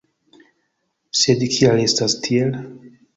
Sed kial estas tiel?